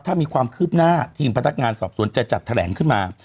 ถ้ามีความคืบหน้าทีมพนักงานสอบสวนจะจัดแถลงขึ้นมา